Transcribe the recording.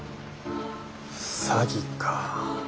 詐欺か。